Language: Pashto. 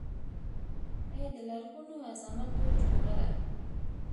ای دلرغونوعظمتوچونغره!